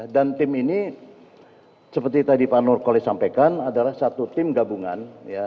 dan tim ini seperti tadi pak nur koli sampaikan adalah satu tim gabungan